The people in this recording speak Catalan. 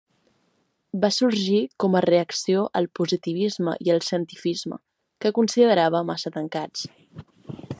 Va sorgir com a reacció al positivisme i al cientifisme, que considerava massa tancats.